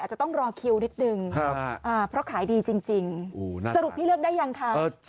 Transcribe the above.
จะต้องรอคิวนิดนึงเพราะขายดีจริงสรุปพี่เลือกได้ยังคะ